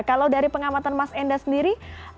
kalau dari pengamatan mas enda sendiri